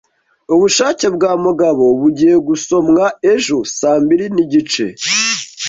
Ubushake bwa Mugabo bugiye gusomwa ejo saa mbiri nigice.